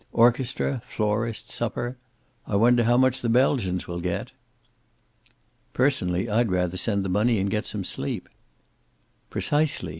"Orchestra, florist, supper I wonder how much the Belgians will get." "Personally, I'd rather send the money and get some sleep." "Precisely.